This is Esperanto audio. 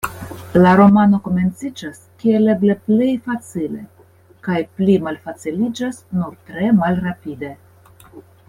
La romano komenciĝas kiel eble plej facile, kaj pli malfaciliĝas nur tre malrapide.